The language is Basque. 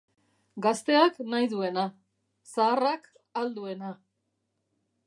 Gazteak nahi duena, zaharrak ahal duena.